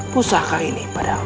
pusaka ini padamu